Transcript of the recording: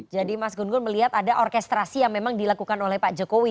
jadi mas gun gun melihat ada orkestrasi yang memang dilakukan oleh pak jokowi